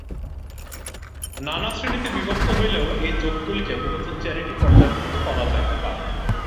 নানা শ্রেণীতে বিভক্ত হইলেও এই যোগগুলিকে মূলত চারিটি পর্যায়ভুক্ত করা যাইতে পারে।